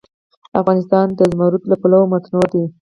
افغانستان د زمرد له پلوه متنوع دی.